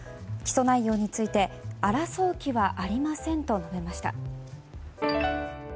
起訴内容について争う気はありませんと述べました。